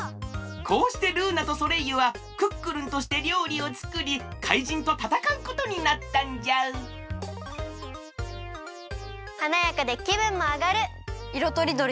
こうしてルーナとソレイユはクックルンとしてりょうりをつくり怪人とたたかうことになったんじゃはなやかできぶんもあがる！